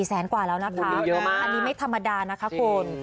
แสนกว่าแล้วนะคะอันนี้ไม่ธรรมดานะคะคุณ